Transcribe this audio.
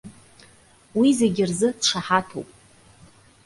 Уи зегьы рзы дшаҳаҭуп.